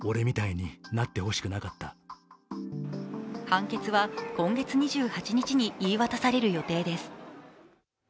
判決は今月２８日に言い渡される予定です。